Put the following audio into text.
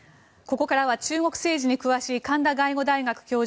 ここからは中国政治に詳しい神田外語大学教授